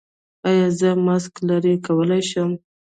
ایا زه ماسک لرې کولی شم؟